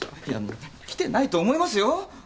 いや。来てないと思いますよ。